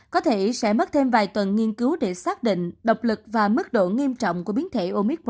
có thể sẽ mất thêm vài tuần nghiên cứu để xác định độc lực và mức độ nghiêm trọng của biến thể omitry